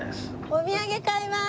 お土産買います！